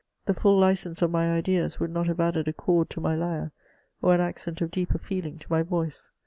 The full licence of my ideas would not have added a chord to my lyre, or an accent of deeper feeling to my voice.